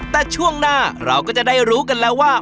แต่ช่วงหน้าเราก็จะได้รู้กันแล้วว่า